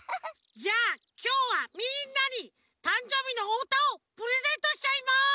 じゃあきょうはみんなにたんじょうびのおうたをプレゼントしちゃいます！